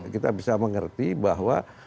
kita bisa mengerti bahwa